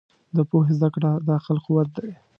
د پوهې زده کړه د عقل قوت دی.